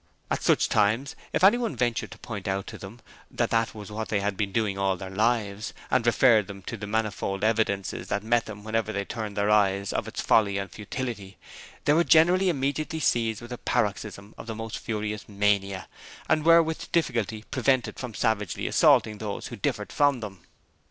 At such times, if anyone ventured to point out to them that that was what they had been doing all their lives, and referred them to the manifold evidences that met them wherever they turned their eyes of its folly and futility, they were generally immediately seized with a paroxysm of the most furious mania, and were with difficulty prevented from savagely assaulting those who differed from them.